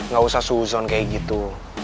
gak usah suzon kayak gitu